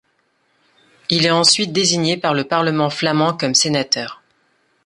Il est ensuite désigné par le Parlement flamand comme sénateur.